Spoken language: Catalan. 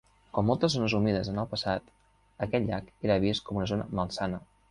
Com moltes zones humides en el passat, aquest llac era vist com una zona malsana.